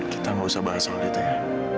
kita nggak usah bahas sama dt ya